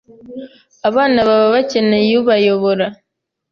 Abana baba bakeneye ubayobora.